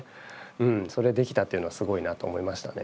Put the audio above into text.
うんそれできたっていうのはすごいなと思いましたね。